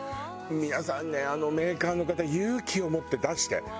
皆さんねメーカーの方勇気を持って出して。